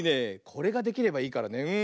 これができればいいからね。